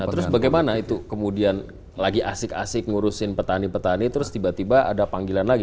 nah terus bagaimana itu kemudian lagi asik asik ngurusin petani petani terus tiba tiba ada panggilan lagi